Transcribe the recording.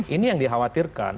ini yang dikhawatirkan